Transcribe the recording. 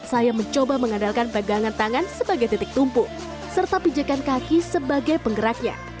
saya mencoba mengandalkan pegangan tangan sebagai titik tumpuk serta pijakan kaki sebagai penggeraknya